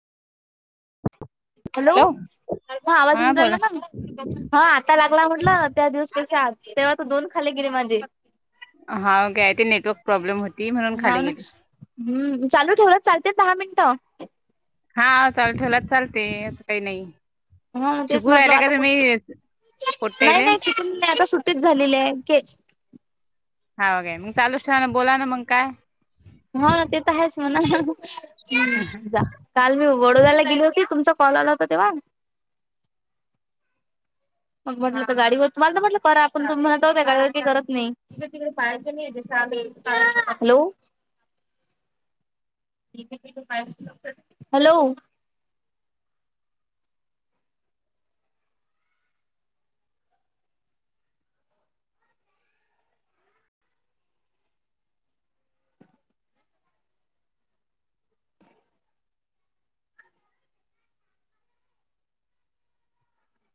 Hello, [unintelligible] आवाज हा येऊन राहिला बोला ना? हा आता लागला म्हटलं, त्या दिवसपेक्षा आज तेव्हा त दोन खाले गेले माझे. हाव काय, ती नेटवर्क प्रॉब्लेम होती म्हणून हा खाली ना गेली. हम्म, चालू ठेवला चालतेत दहा मिनिटं. हा चालू ठेवलंत चालते असं काही नाही. हा तेच शिकू म्हटलं राहिले आता काय कुठ तुम्ही नाही पोट्टेयले. नाही नाही आता सुट्टीच झालेली आहे, केच हाव काय, मग चालूच ठेवाना बोला ना मग काय. हा ना ते तर आहेच म्हणा [inaudible] जा काल मी वडोद्याला गेली होती तुमचा कॉल आला होता तेव्हा. मग म्हटलं तर गाडीवर तुम्हाला तर म्हटलं करा, पण तुम म्हणा जाऊ त्या गाडीवरती करत नाही. इकडे- तिकडे पळायचं नाही जस [unintelligible] आ हॅलो [unintelligible] हॅलो